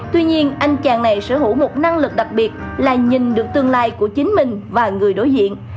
tuy nhiên anh chàng này sở hữu một năng lực đặc biệt là nhìn được tương lai của chính mình và người đối diện